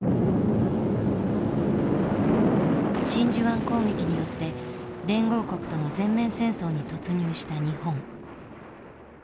真珠湾攻撃によって連合国との全面戦争に突入した日本。